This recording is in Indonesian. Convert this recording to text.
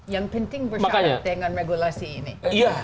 yang penting bersyarat dengan regulasi ini